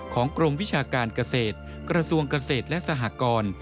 กรมวิชาการเกษตรกระทรวงเกษตรและสหกร